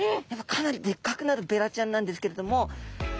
かなりでっかくなるベラちゃんなんですけれども。